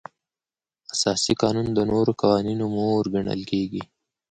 اساسي قانون د نورو قوانینو مور ګڼل کیږي.